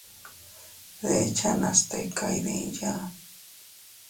Dechanas tika iydiya.